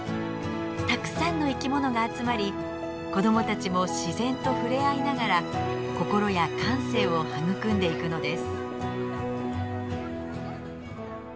たくさんの生き物が集まり子どもたちも自然とふれあいながら心や感性を育んでいくのです。